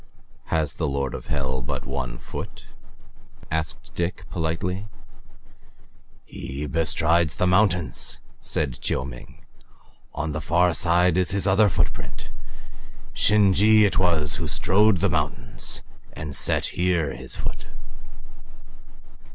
"Has the lord of Hell but one foot?" asked Dick, politely. "He bestrides the mountains," said Chiu Ming. "On the far side is his other footprint. Shin je it was who strode the mountains and set here his foot."